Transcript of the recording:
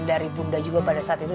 dari bumda juga pada saat itu